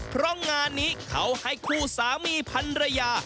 เพราะงานนี้เขาให้คู่สามีพันรยา